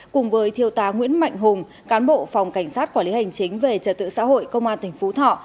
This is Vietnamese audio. cùng với thiêu tá nguyễn mạnh hùng cán bộ phòng cảnh sát quản lý hành chính về trật tự xã hội công an tỉnh phú thọ